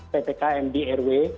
ptkm di rw